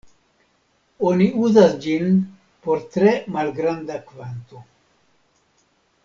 Oni uzas ĝin por tre malgranda kvanto.